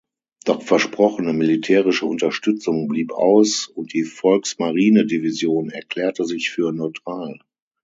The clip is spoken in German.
Doch versprochene militärische Unterstützung blieb aus und die Volksmarinedivision erklärte sich für neutral.